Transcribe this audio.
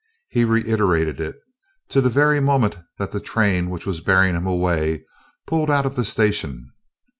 He reiterated it to the very moment that the train which was bearing him away pulled out of the station.